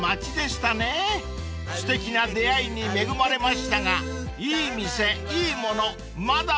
［すてきな出会いに恵まれましたがいい店いいものまだまだあるはず］